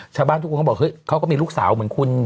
ชาวบ้านทุกคนก็บอกเฮ้ยเขาก็มีลูกสาวเหมือนคุณ